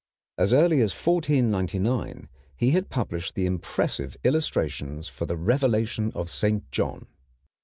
As early as 1499 he had published the impressive illustrations for the Revelation of Saint John.